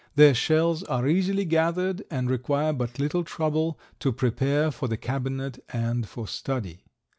Their shells are easily gathered and require but little trouble to prepare for the cabinet and for study.